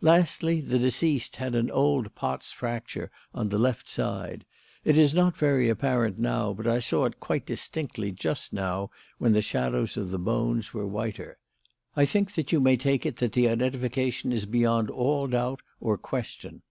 Lastly, the deceased had an old Pott's fracture on the left side. It is not very apparent now, but I saw it quite distinctly just now when the shadows of the bones were whiter. I think that you may take it that the identification is beyond all doubt or question."